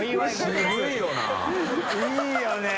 いいよね。